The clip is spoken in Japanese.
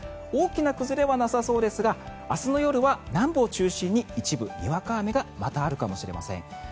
大きな崩れはなさそうですが明日の夜は南部を中心に一部、にわか雨がまたあるかもしれません。